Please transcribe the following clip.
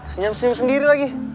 senyap senyap sendiri lagi